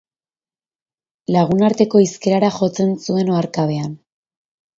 Lagunarteko hizkerara jotzen zuen oharkabean.